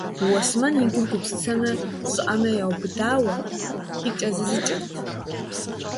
Уэсмэн и гур гупсысэмрэ щӀыӀэмрэ яубыдауэ къикӀэзызыкӀырт.